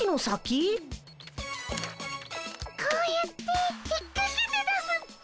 こうやって引っかけて出すっピ。